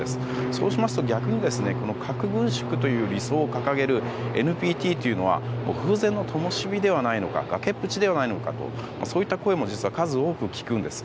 そうしますと、逆に核軍縮という理想を掲げるＮＰＴというのは風前の灯火なのではないか崖っぷちではないのかそんな声も数多く聞くんです。